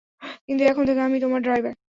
কিন্তু এখন থেকে আমি তোমার ড্রাইভার।